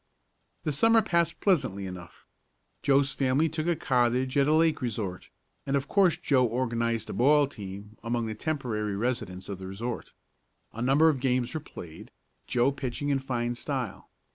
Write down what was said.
The Summer passed pleasantly enough. Joe's family took a cottage at a lake resort, and of course Joe organized a ball team among the temporary residents of the resort. A number of games were played, Joe pitching in fine style.